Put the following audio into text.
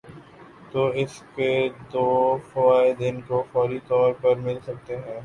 تو اس کے دو فوائد ان کو فوری طور پر مل سکتے ہیں۔